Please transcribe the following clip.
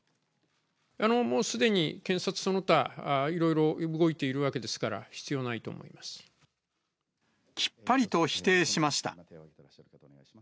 もうすでに検察その他いろいろ動いているわけですから、きっぱりと否定しました。